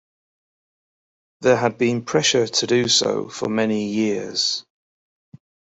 There had been pressure to do so for many years.